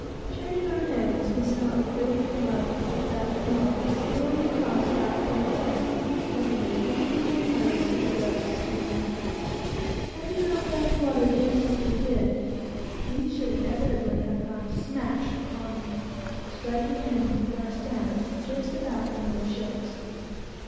Turning our heads, we saw a great, rough, hump backed whale, slowly crossing our fore foot, within three or four yards of the boat's stem. Had we not backed water just as we did, we should inevitably have gone smash upon him, striking him with our stem just about amidships.